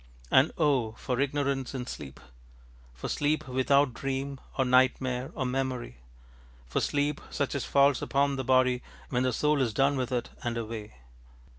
And oh, for ignorance in sleep! For sleep without dream, or nightmare, or memory! For sleep such as falls upon the body when the soul is done with it and away!